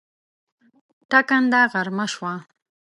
ټکنده غرمه شومه